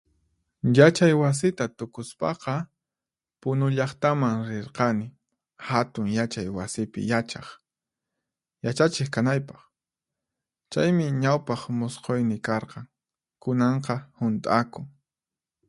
Yachay wasita tukuspaqa, Punu llaqtaman rirqani Hatun Yachay Wasipi yachaq, yachachiq kanaypaq. Chaymi ñawpaq musqhuyni karqan, kunanqa hunt'akun.